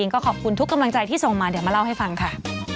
ก็ขอบคุณทุกกำลังใจที่ส่งมาเดี๋ยวมาเล่าให้ฟังค่ะ